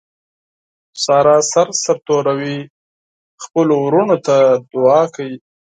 ساره سر سرتوروي خپلو ورڼو ته دعاکوي.